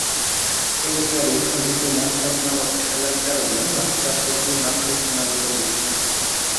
তিনি তার উদ্ভাবিত মাত্রাক নামক খেলার কারণে মাত্রাকচি নাসুহ নামে পরিচিত।